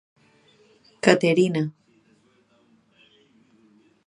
Caterina.